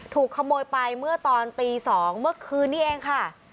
ถูกขโมยไปเมื่อตอนตี๒เมื่อคืนนี้เองค่ะ